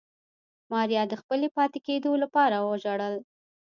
ماريا د خپلې پاتې کېدو لپاره وژړل.